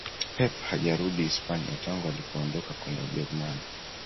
Pep hajarudi Hispania tangu alipoondoka kwenda ujerumani